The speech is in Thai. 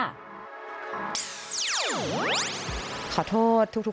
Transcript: ขอโทษทุกคนที่อาจจะรู้ว่าคลิปที่เอิ้นโพสต์ลงไปกับลูก